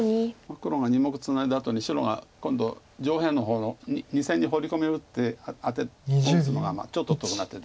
黒が２目ツナいだあとに白が今度上辺の方の２線にホウリコミ打ってアテを打つのがちょっと得な手で。